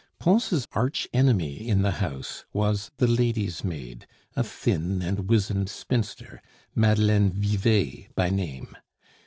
Pons' arch enemy in the house was the ladies' maid, a thin and wizened spinster, Madeleine Vivet by name.